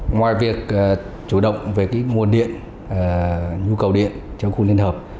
ngoài việc chủ động về nguồn điện nhu cầu điện trong khu liên hợp